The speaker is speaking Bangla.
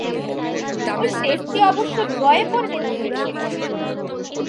ঐ টেস্টটি অবশ্য ড্রয়ে পরিণত হয়েছিল।